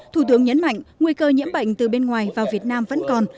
thủ tướng nhấn mạnh nguy cơ nhiễm bệnh từ bên ngoài vào việt nam vẫn còn